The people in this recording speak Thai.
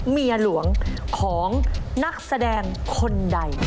เมียหลวงของนักแสดงคนใด